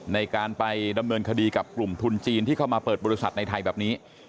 ในการไปดำเนินคดีกับกลุ่มทุนจีนที่เข้ามาเปิดบริษัทในไทยแบบนี้